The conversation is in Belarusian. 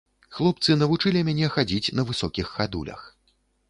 Хлопцы навучылі мяне хадзіць на высокіх хадулях.